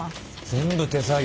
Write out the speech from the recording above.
全部手作業。